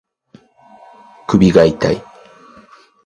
首が痛い